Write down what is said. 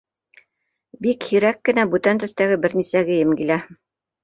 Бик һирәк кенә бүтән төҫтәге бер нисә кейем килә.